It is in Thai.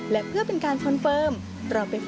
และเพื่อเป็นการคอนเฟิร์ม